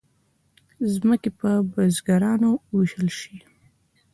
ځمکې په بزګرانو وویشل شوې.